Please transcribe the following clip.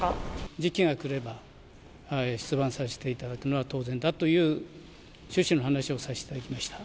時機が来れば出馬させていただくのは当然だという趣旨の話をさせていただきました。